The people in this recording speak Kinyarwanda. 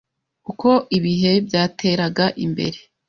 uko ibihe byateraga imbere